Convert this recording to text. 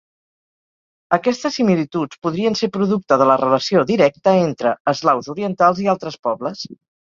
Aquestes similituds podrien ser producte de la relació directa entre eslaus orientals i altres pobles.